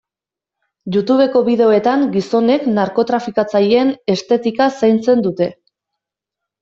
Youtubeko bideoetan gizonek narkotrafikatzaileen estetika zaintzen dute.